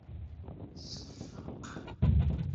Nseffeq.